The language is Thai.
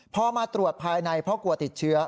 พอมาตรวจภายในเพราะกลัวติดเชื้อ